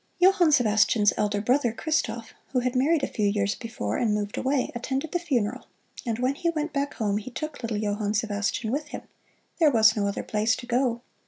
Johann Sebastian's elder brother, Christoph, who had married a few years before and moved away, attended the funeral, and when he went back home he took little Johann Sebastian with him there was no other place to go.